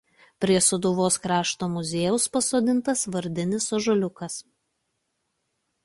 Prie Sūdavos krašto muziejaus pasodintas vardinis ąžuoliukas.